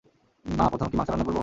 মা, প্রথমে কি মাংস রান্না করবো?